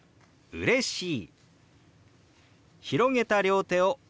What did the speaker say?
「うれしい」。